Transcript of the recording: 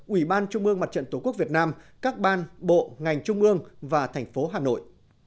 ủy ban trung mương mặt trận tổ quốc việt nam các ban bộ ngành trung ương và thành phố hà nội